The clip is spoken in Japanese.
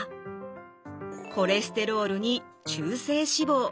コレステロールに中性脂肪。